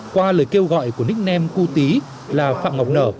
qua lời kêu gọi của nickname cu tí là phạm ngọc nở